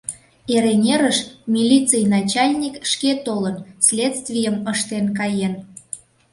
Эреҥерыш милиций начальник шке толын, следствийым ыштен каен.